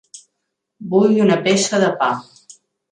Vull una peça de pa.